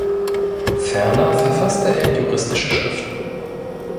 Ferner verfasste er juristische Schriften.